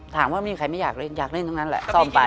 ถามว่ามีใครไม่อยากเล่นอยากเล่นทั้งนั้นแหละซ่อมไป